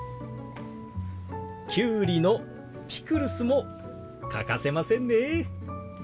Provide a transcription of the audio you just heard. キュウリのピクルスも欠かせませんね。